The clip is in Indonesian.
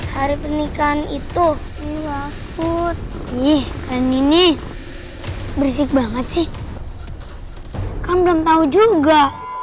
hari pernikahan itu ini mahfud nih kan ini bersih banget sih kan belum tahu juga